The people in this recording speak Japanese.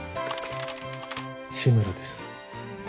志村です。